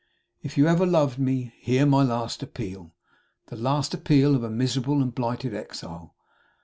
'If you ever loved me, hear my last appeal! The last appeal of a miserable and blighted exile.